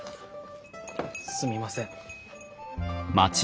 すみません。